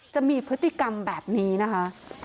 จะมีพฤติกรรมแบบนี้นะคะ